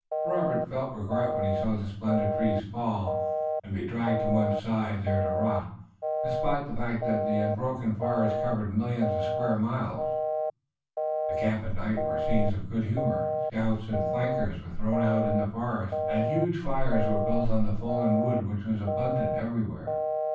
Robert felt regret when he saw the splendid trees fall and be dragged to one side, there to rot, despite the fact that the unbroken forest covered millions of square miles. The camps at night were scenes of good humor. Scouts and flankers were thrown out in the forest, and huge fires were built of the fallen wood which was abundant everywhere.